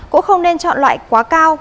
cũng không nên chọn loại quá cao